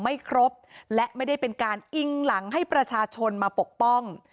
ไม่ครบและไม่ได้เป็นการอิงหลังให้ประชาชนมาปกป้อง